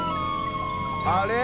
あれ？